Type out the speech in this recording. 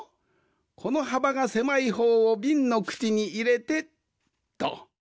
このはばがせまいほうをびんのくちにいれてっと。